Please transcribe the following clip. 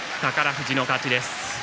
富士の勝ちです。